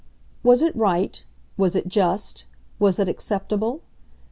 Was it right, was it just, was it acceptable?